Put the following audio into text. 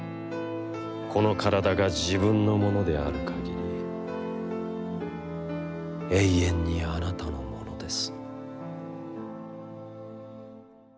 このからだが自分のものであるかぎり、永遠にあなたのものです」。